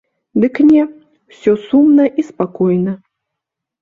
Дык не, усё сумна і спакойна.